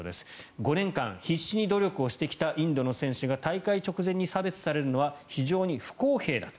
５年間、必死に努力してきたインドの選手が大会直前に差別されるのは非常に不公平だと。